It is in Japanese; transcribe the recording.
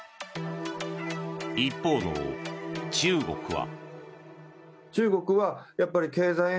一方の中国は。